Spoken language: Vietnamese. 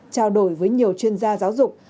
trao đổi với nhiều chuyên gia giáo dục